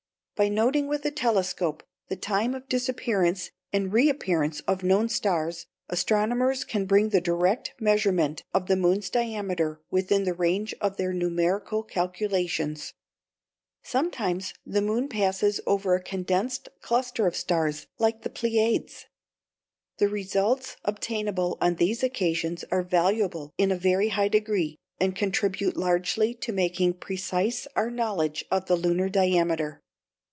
By noting with a telescope the time of disappearance and reappearance of known stars, astronomers can bring the direct measurement of the moon's diameter within the range of their numerical calculations. Sometimes the moon passes over a condensed cluster of stars like the Pleiades. The results obtainable on these occasions are valuable in a very high degree, and contribute largely to making precise our knowledge of the lunar diameter.